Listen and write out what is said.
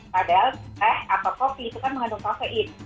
padahal teh atau kopi itu kan mengandung protein